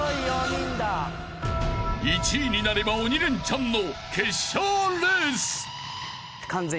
［１位になれば鬼レンチャンの］